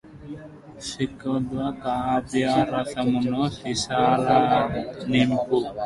స్నిగ్ధ కావ్యరసము సీసాలలో నింపి